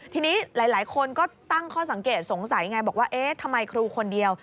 ทีนี้หลายคนก็ตั้งข้อสังเกตสงสัยไงบอกว่าเอ๊ะทำไมครูคนเดียว